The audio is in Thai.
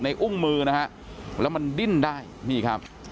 อุ้มมือนะฮะแล้วมันดิ้นได้นี่ครับ